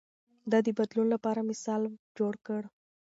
ده د بدلون لپاره مثال جوړ کړ.